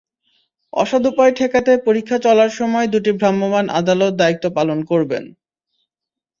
অসদুপায় ঠেকাতে পরীক্ষা চলার সময় দুটি ভ্রাম্যমাণ আদালত দায়িত্ব পালন করবেন।